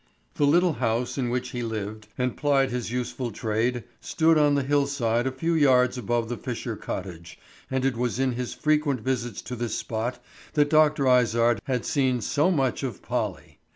The little house in which he lived and plied his useful trade stood on the hill side a few yards above the Fisher cottage, and it was in his frequent visits to this spot that Dr. Izard had seen so much of Polly.